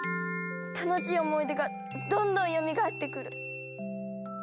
楽しい思い出がどんどんよみがえってくる。